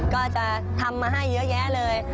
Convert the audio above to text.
ก็จะทำมาให้เยอะแยะเลย